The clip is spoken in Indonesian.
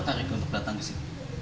kenapa tertarik untuk datang sih